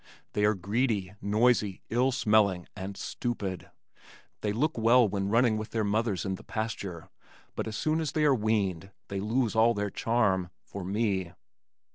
They are greedy, noisy, ill smelling and stupid. They look well when running with their mothers in the pasture, but as soon as they are weaned they lose all their charm for me.